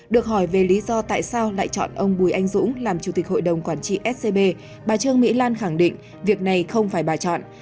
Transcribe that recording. được hỏi về lý do tại sao lại chọn ông bùi anh dũng làm chủ tịch hội đồng quản trị scb bà trương mỹ lan khẳng định việc này không phải bà chọn